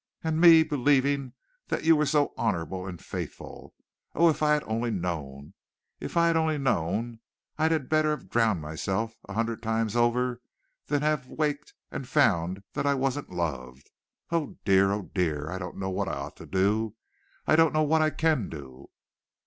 And me believing that you were so honorable and faithful! Oh, if I had only known! If I had only known! I had better have drowned myself a hundred times over than have waked and found that I wasn't loved. Oh, dear, oh, dear! I don't know what I ought to do! I don't know what I can do!"